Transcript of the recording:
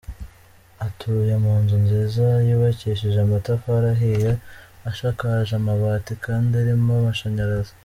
Atuye mu nzu nziza yubakishije amatafari ahiye, ishakaje amabati kandi irimo amashanyarazi.